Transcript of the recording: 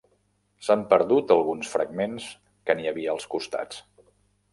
S'han perdut alguns fragments que n'hi havia als costats.